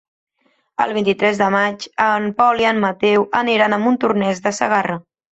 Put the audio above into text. El vint-i-tres de maig en Pol i en Mateu aniran a Montornès de Segarra.